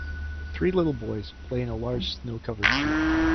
Three little boys play in a large snow covered field